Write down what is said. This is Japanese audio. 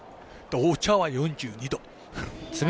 お茶は４２度。